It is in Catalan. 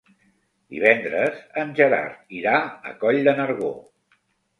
Divendres en Gerard irà a Coll de Nargó.